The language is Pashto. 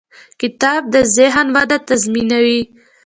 کتاب د ذهن وده تضمینوي.